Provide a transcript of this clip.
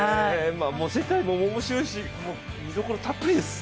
世界もおもしろいし、見どころたっぷりです。